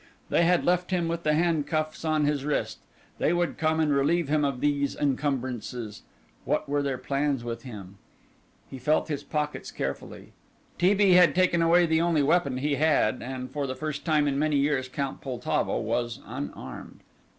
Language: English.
They had left him with the handcuffs on his wrists; they would come and relieve him of these encumbrances. What were their plans with him? He felt his pockets carefully. T. B. had taken away the only weapon he had had, and for the first time for many years Count Poltavo was unarmed.